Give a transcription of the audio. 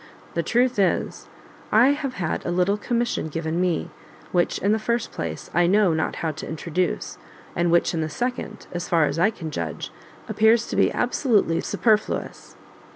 The truth is, I have had a little commission given me, which in the first place I know not how to introduce, and which, in the second, as far as I can judge, appears to be absolutely superfluous."